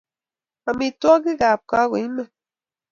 amitwogikap kokaimen